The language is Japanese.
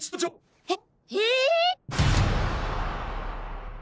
えっ？